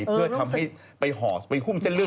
เพื่อทำให้ไปห่อไปหุ้มเส้นลื